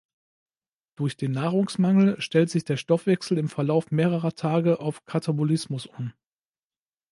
Durch den Nahrungsmangel stellt sich der Stoffwechsel im Verlauf mehrerer Tage auf Katabolismus um.